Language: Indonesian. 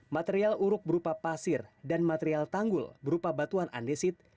material uruk berupa pasir dan material tanggul berupa batuan andesit